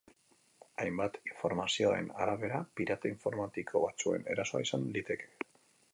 Hainbat informazioen arabera, pirata informatiko batzuen erasoa izan liteke.